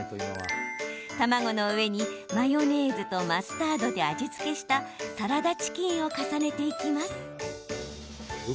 卵の上にマヨネーズとマスタードで味付けしたサラダチキンを重ねていきます。